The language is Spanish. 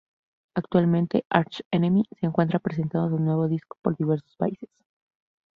Actualmente Arch Enemy se encuentran presentando su nuevo disco por diversos países.